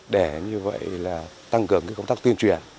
để như vậy là tăng cường công tác tuyên truyền